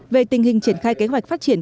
về tình hình triển khai kế hoạch phát triển